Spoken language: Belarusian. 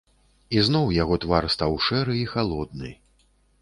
І зноў яго твар стаў шэры і халодны.